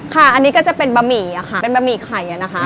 ค่ะอันนี้ก็จะเป็นบะหมี่ค่ะเป็นบะหมี่ไข่อะนะคะ